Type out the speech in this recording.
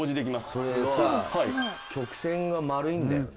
それさ曲線が丸いんだよね。